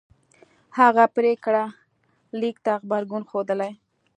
هغه پرېکړه لیک ته غبرګون ښودلی